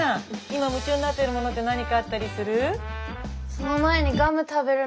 今夢中になってるものって何かあったりする？